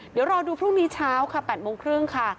เดี๋ยวรอดูพรุ่งนี้เช้าค่ะ๘โมงครึ่งค่ะ